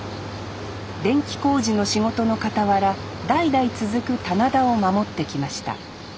電気工事の仕事のかたわら代々続く棚田を守ってきました